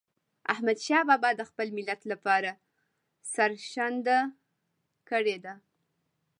احمدشاه بابا د خپل ملت لپاره سرښندنه کړې ده.